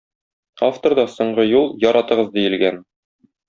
Авторда соңгы юл "Яратыгыз" диелгән.